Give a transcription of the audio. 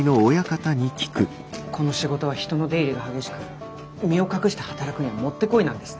この仕事は人の出入りが激しく身を隠して働くにはもってこいなんですね。